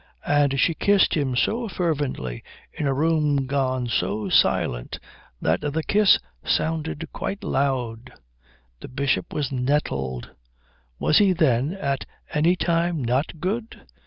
And she kissed him so fervently in a room gone so silent that the kiss sounded quite loud. The Bishop was nettled. Was he then at any time not good?